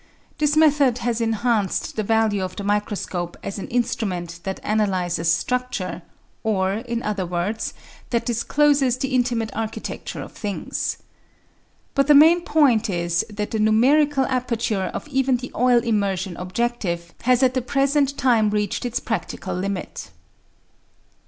This method has enhanced the value of the microscope as an instrument that analyses struc ture, or, in other words, that discloses the intimate architecture of things. But the main point is that the "numerical aperture" of even the oil immersion objective has at the present time reached its practical limit.